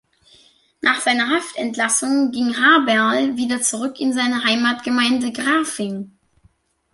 Nach seiner Haftentlassung ging Haberl wieder zurück in seine Heimatgemeinde Grafing.